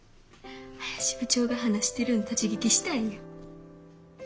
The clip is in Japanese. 林部長が話してるん立ち聞きしたんや。